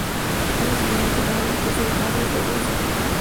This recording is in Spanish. Al años siguiente, ganó el concurso de canto de Toulouse.